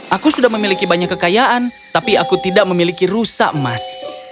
aku sudah memiliki banyak kekayaan tapi aku tidak memiliki rusa emas